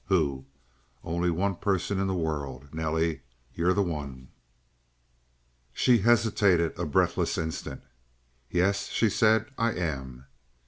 Who? Only one person in the world. Nelly, you're the one!" She hesitated a breathless instant. "Yes," she said. "I am."